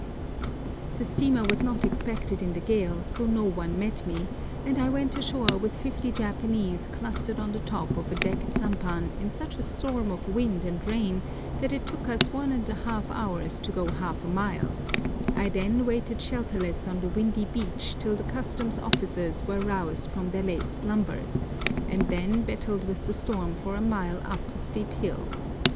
The steamer was not expected in the gale, so no one met me, and I went ashore with fifty Japanese clustered on the top of a decked sampan in such a storm of wind and rain that it took us 1½ hours to go half a mile; then I waited shelterless on the windy beach till the Customs' Officers were roused from their late slumbers, and then battled with the storm for a mile up a steep hill.